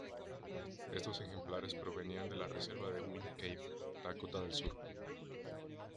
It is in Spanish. Estos ejemplares provenían de la reserva Wind Cave, Dakota del Sur.